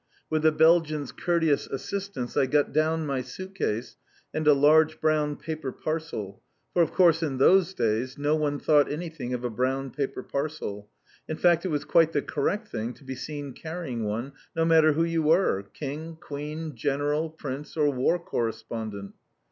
With the Belgians' courteous assistance, I got down my suit case, and a large brown paper parcel, for of course in those day, no one thought anything of a brown paper parcel; in fact it was quite the correct thing to be seen carrying one, no matter who you were, king, queen, general, prince, or War Correspondent.